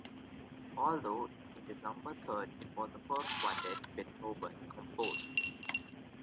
Although it is numbered third, it was the first quartet Beethoven composed.